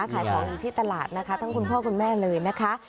ขายของอยู่ที่ตลาดนะคะทั้งคุณพ่อคุณแม่เลยนะคะ